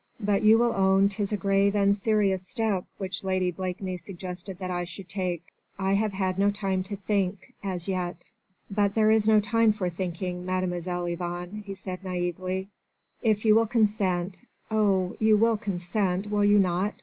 But you will own 'tis a grave and serious step which Lady Blakeney suggested that I should take. I have had no time to think ... as yet." "But there is no time for thinking, Mademoiselle Yvonne," he said naïvely. "If you will consent.... Oh! you will consent, will you not?"